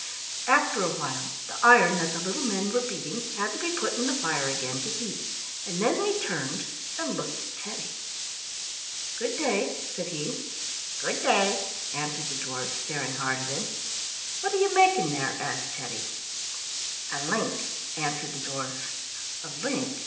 After a while the iron that the little men were beating had to be put in the fire again to heat, and then they turned and looked at Teddy. "Good day," said he. "Good day," answered the dwarfs, staring hard at him. "What are you making there?" asked Teddy. "A link," answered the dwarfs. "A link!"